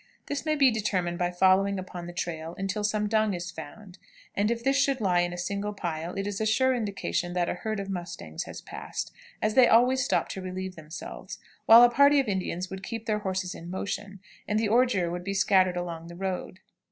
This may be determined by following upon the trail until some dung is found, and if this should lie in a single pile, it is a sure indication that a herd of mustangs has passed, as they always stop to relieve themselves, while a party of Indians would keep their horses in motion, and the ordure would be scattered along the road.